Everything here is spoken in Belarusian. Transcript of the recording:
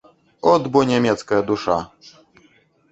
От бо нямецкая душа!